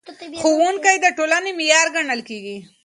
ښوونکی د ټولنې معمار ګڼل کېږي.